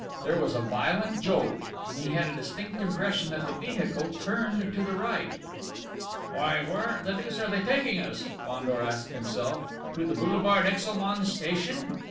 There was a violent jolt, and he had a distinct impression that the vehicle turned to the right. "Why, where the deuce are they taking us?" Fandor asked himself. "To the boulevard Exelmans station?...